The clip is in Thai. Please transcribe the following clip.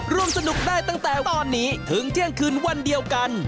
ร่วมสนุกได้ตั้งแต่ตอนนี้ถึงเที่ยงคืนวันเดียวกัน